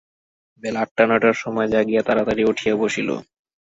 বেলা আটটা-নয়টার সময় জাগিয়া তাড়াতড়ি উঠিয়া বসিল।